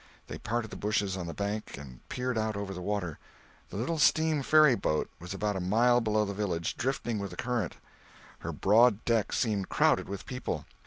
They parted the bushes on the bank and peered out over the water. The little steam ferry boat was about a mile below the village, drifting with the current. Her broad deck seemed crowded with people.